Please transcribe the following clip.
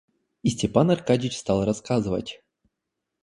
И Степан Аркадьич стал рассказывать.